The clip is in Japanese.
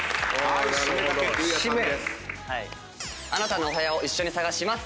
あなたのお部屋を一緒に探します。